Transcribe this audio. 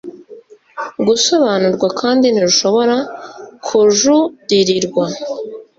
gusobanurwa kandi ntirushobora kujuririrwa